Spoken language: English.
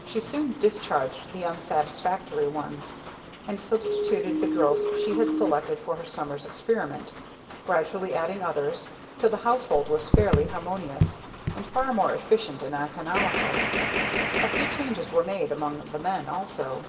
She soon discharged the unsatisfactory ones, and substituted the girls she had selected for her summer's experiment, gradually adding others, till the household was fairly harmonious, and far more efficient and economical. A few changes were made among the men also.